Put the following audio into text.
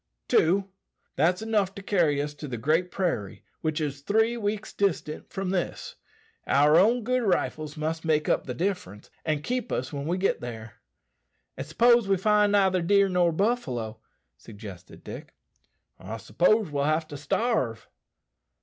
"Two. That's 'nough to carry us to the Great Prairie, which is three weeks distant from this. Our own good rifles must make up the difference, and keep us when we get there." "And s'pose we neither find deer nor buffalo," suggested Dick. "I s'pose we'll have to starve."